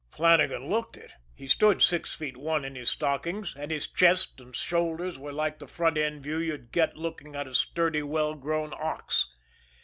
Flannagan looked it. He stood six feet one in his stockings, and his chest and shoulders were like the front end view you'd get looking at a sturdy, well grown ox.